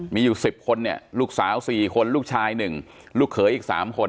มีอยู่สิบคนเนี่ยลูกสาวสี่คนลูกชายหนึ่งลูกเขยอีกสามคน